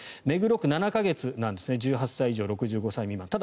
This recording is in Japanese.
目黒区、７か月なんですね１８歳以上６５歳未満。